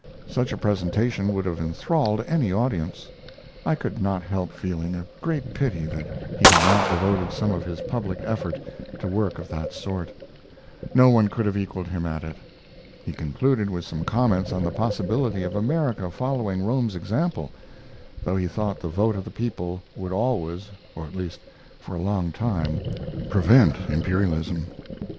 Such a presentation would have enthralled any audience I could not help feeling a great pity that he had not devoted some of his public effort to work of that sort. No one could have equaled him at it. He concluded with some comments on the possibility of America following Rome's example, though he thought the vote of the people would always, or at least for a long period, prevent imperialism.